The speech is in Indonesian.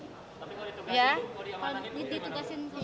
tapi kalau ditugasin kalau diamananin di mana